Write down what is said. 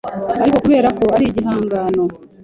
ariko kubera ko ari igihangano.